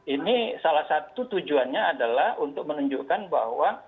ini salah satu tujuannya adalah untuk menunjukkan bahwa